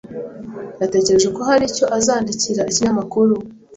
Yatekereje ko hari icyo azandikira ikinyamakuru.